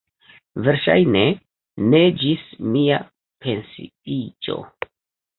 Verŝajne ne ĝis mia pensiiĝo.